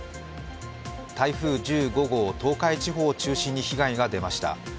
台風１５号、東海地方を中心に被害が出ました。